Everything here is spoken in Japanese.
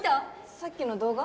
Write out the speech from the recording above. さっきの動画？